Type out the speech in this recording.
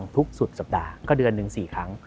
สุดสัปดาห์ก็เดือนหนึ่ง๔ครั้ง